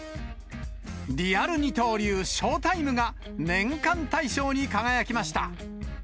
リアル二刀流、ショータイムが、年間大賞に輝きました。